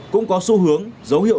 cũng có xu hướng dấu hiệu